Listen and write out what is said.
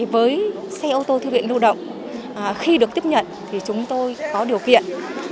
với xe ô tô thư viện lưu động khi được tiếp nhận thì chúng tôi có điều kiện